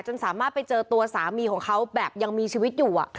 สามารถไปเจอตัวสามีของเขาแบบยังมีชีวิตอยู่